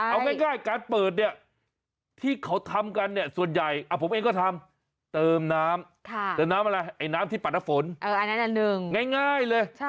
เอาง่ายการเปิดเนี่ยที่เขาทำกันส่วนใหญ่